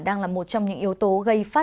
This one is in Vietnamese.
đang là một trong những yếu tố gây phao xốp